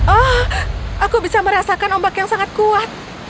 oh aku bisa merasakan ombak yang sangat kuat